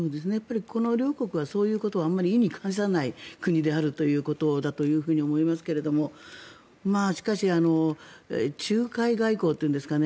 この両国はそういうことをあまり意に介さない国だと思いますけれどもしかし仲介外交というんですかね